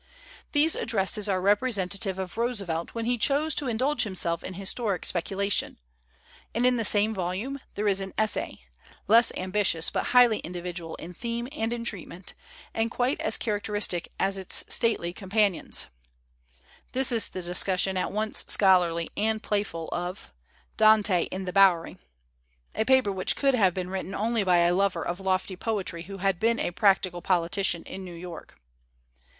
These addresses arc itative of Roose 243 THEODORE ROOSEVELT AS A MAN OF LETTERS velt when he chose to indulge himself in historic speculation; and in the same volume there is an essay, less ambitious but highly individual in theme and in treatment, and quite as character istic as its stately companions. This is the dis cussion at once scholarly and playful of 'Dante in the Bowery' a paper which could have been written only by a lover of lofty poetry who had been a practical politician in New York.